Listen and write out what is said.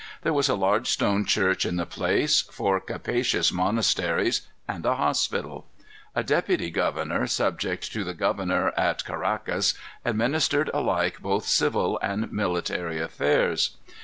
There was a large stone church in the place, four capacious monasteries, and a hospital. A deputy governor, subject to the governor at Caraccas, administered alike both civil and military affairs.